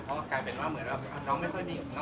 เพราะว่ากลายเป็นว่าเหมือนแล้วนะครับ